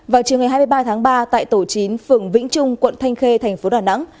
vào chiều ngày hai mươi ba tháng ba tại tổ chín phường vĩnh trung quận thanh khê thành phố đà nẵng